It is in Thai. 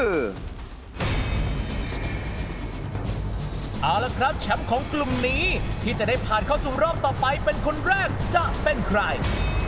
เอาละครับแชมป์ของกลุ่มนี้ที่จะได้ผ่านเข้าสู่รอบต่อไปเป็นคนแรกจะเป็นใคร